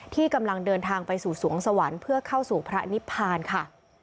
ที่กำลังเดินทางไปสู่สวงสวรรค์เพื่อเข้าสู่พระนิพพานค่ะ